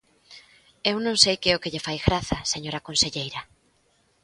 Eu non sei que é o que lle fai graza, señora conselleira.